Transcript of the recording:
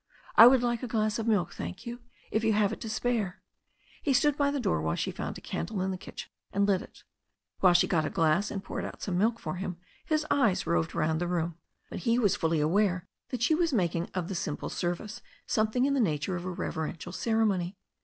"I would like a glass of milk, thank you, if you have it to spare." He stood by the door while she found a candle in the kitchen and lit it. While she got a glass and poured out some milk for him his eyes roved round the room, but he was fully aware that she was making of the simple service something in the nature of a reverential ceremony.